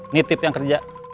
nitip yang kerja